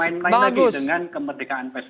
jadi jangan bermain main lagi dengan kemerdekaan pers